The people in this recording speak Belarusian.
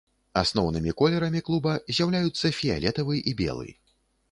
Асноўнымі колерамі клуба з'яўляюцца фіялетавы і белы.